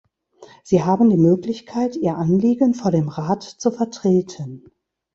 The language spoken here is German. Sie haben die Möglichkeit, ihr Anliegen vor dem Rat zu vertreten.